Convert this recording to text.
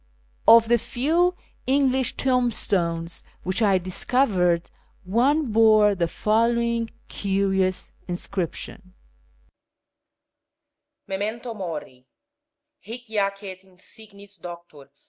Of the few English tombstones wliich I discovered, one bore the following curious inscription :— MEMENTO MORI HIC lACET INSIGNIS DOCTOR R.